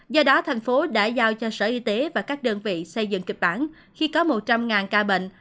do đó thành phố đã giao cho sở y tế và các đơn vị xây dựng kịch bản khi có một trăm linh ca bệnh